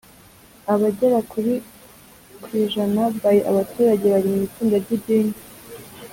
Abagera kuri ku ijana by abaturage bari mu itsinda ry idini